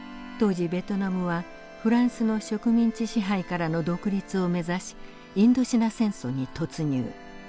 当時ベトナムはフランスの植民地支配からの独立を目指しインドシナ戦争に突入。